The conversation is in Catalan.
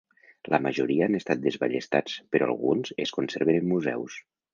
La majoria han estat desballestats, però alguns es conserven en museus.